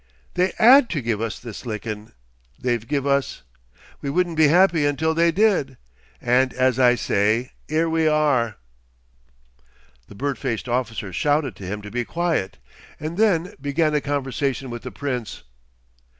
They 'ad to give us this lickin' they've give us. We wouldn't be happy until they did, and as I say, 'ere we are!" The bird faced officer shouted to him to be quiet, and then began a conversation with the Prince.